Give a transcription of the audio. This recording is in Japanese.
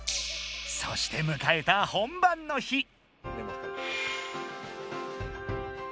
そしてむかえた本番の日。